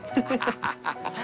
ハハハハ。